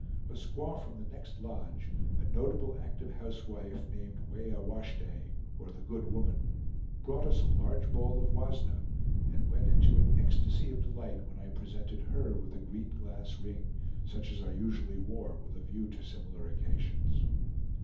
A squaw from the next lodge, a notable active housewife named Weah Washtay, or the Good Woman, brought us a large bowl of wasna, and went into an ecstasy of delight when I presented her with a green glass ring, such as I usually wore with a view to similar occasions.